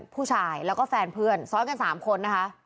ผู้ชายแล้วก็แฟนเพื่อนซ้อนกัน๓คนนะคะ